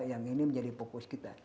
yang ini menjadi fokus kita